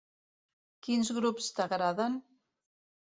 Quins grups t'agraden?